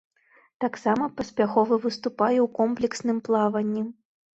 Таксама паспяхова выступае ў комплексным плаванні.